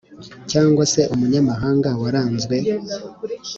Cyangwa se umunyamahanga waranzwe